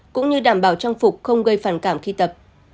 cũng như đảm bảo trang phục không gây phản cảm khi tập